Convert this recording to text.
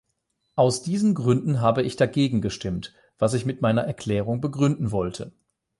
Aus diesen Gründen habe ich dagegen gestimmt, was ich mit meiner Erklärung begründen wollte.